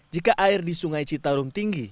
jika air di sungai citarum tinggi